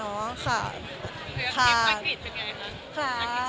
เธอยังคิดว่าผิดเป็นไงคะ